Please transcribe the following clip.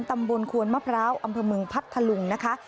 ตำบลควนมะพร้าวอำเภอเมืองพัทธลุงนะคะ